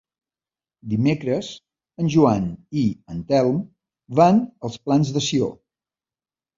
Dimecres en Joan i en Telm van als Plans de Sió.